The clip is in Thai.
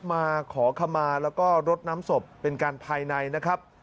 มาขอขมาแล้วก็รดน้ำศพเป็นการภายในนะครับ